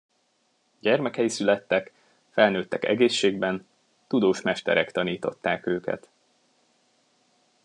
Gyermekei születtek, felnőttek egészségben, tudós mesterek tanították őket.